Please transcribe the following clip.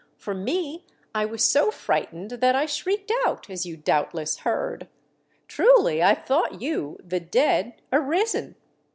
For me, I was so frightened that I shrieked out, as you doubtless heard. Truly I thought you, the dead, arisen.